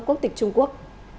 quốc tịch trung quốc